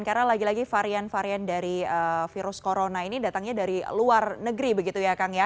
karena lagi lagi varian varian dari virus corona ini datangnya dari luar negeri begitu ya kang ya